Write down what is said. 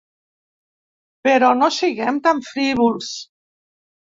Però no siguem tan frívols.